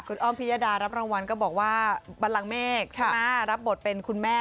คุณอ้อมพิยดารับรางวัลก็บอกว่าบันลังเมฆใช่ไหมรับบทเป็นคุณแม่